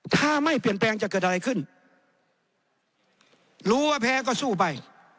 ถ้าไม่เปลี่ยนแปลงจะเกิดอะไรขึ้นรู้ว่าแพ้ก็สู้ไป